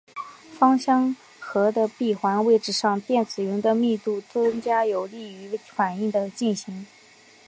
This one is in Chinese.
芳香核的闭环位置上电子云的密度增加有利于反应的进行。